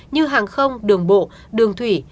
như hàng không đường bộ đường thủy